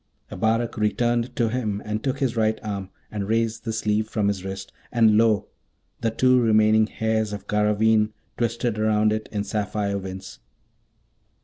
Abarak returned to him, and took his right arm, and raised the sleeve from his wrist, and lo, the two remaining hairs of Garraveen twisted round it in sapphire winds.